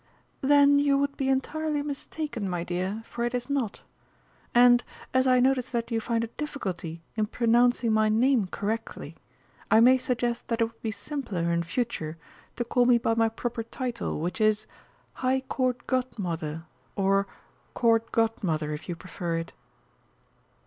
"Then you would be entirely mistaken, my dear, for it is not. And, as I notice that you find a difficulty in pronouncing my name correctly, I may suggest that it would be simpler in future to call me by my proper title, which is, 'High Court Godmother,' or 'Court Godmother,' if you prefer it."